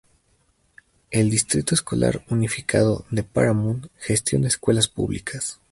El Distrito Escolar Unificado de Paramount gestiona escuelas públicas.